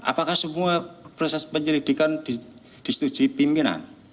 apakah semua proses penyelidikan disetujui pimpinan